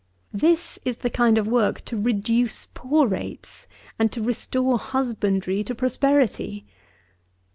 This is the kind of work to reduce poor rates, and to restore husbandry to prosperity.